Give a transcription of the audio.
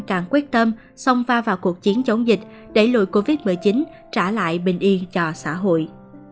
càng quyết tâm sông va vào cuộc chiến chống dịch đẩy lùi covid một mươi chín trả lại bình yên cho xã hội